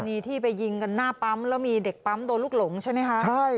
นี่ที่ไปยิงกันหน้าปั๊มแล้วมีเด็กปั๊มโดนลูกหลงใช่ไหมคะใช่